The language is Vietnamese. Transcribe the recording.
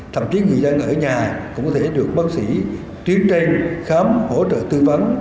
thậm chí người dân ở nhà cũng có thể được bác sĩ tiến tranh khám hỗ trợ tư vấn